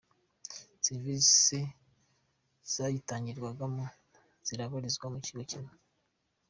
serivisi zayitangirwagamo zirabarizwa mu kigo kimwe.